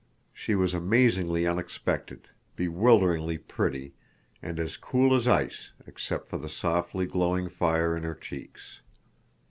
She was amazingly unexpected, bewilderingly pretty, and as cool as ice except for the softly glowing fire in her cheeks.